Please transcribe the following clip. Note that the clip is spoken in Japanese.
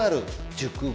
熟語！